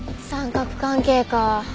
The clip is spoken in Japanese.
三角関係か。